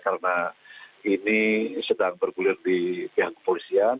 karena ini sedang bergulir di pihak kepolisian